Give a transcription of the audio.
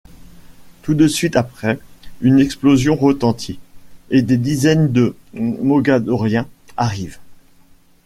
Tout de suite après, une explosion retentit, et des dizaines de Mogadoriens arrivent.